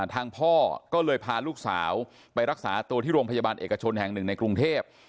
ทางพ่อก็เลยพาลูกสาวไปรักษาตัวที่โรงพยาบาลเอกชนแห่งหนึ่งในกรุงเทพ